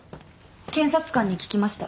検察官に聞きました。